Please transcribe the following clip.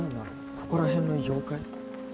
ここら辺の妖怪？